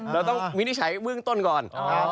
แล้วต้องวิธีใช้วึ่งต้นก่อน